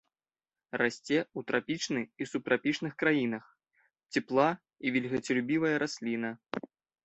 Расце ў трапічны і субтрапічных краінах, цепла- і вільгацелюбівая расліна.